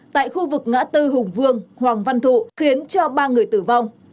tại khu vực ngã tư hùng vương hoàng văn thụ khiến cho ba người tử vong